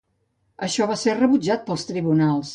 Això va ser rebutjat pels tribunals.